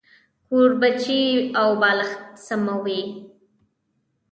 کوربچې او بالښتان سموي.